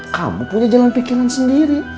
kamu punya jalan pikiran sendiri